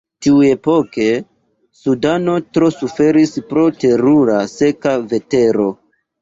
Tiuepoke, Sudano tro suferis pro terura seka vetero.